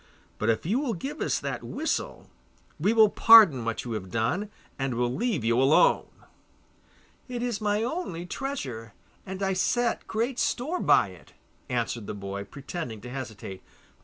But if you will give us that whistle, we will pardon what you have done, and will leave you alone.' 'It is my only treasure, and I set great store by it,' answered the boy, pretending to hesitate.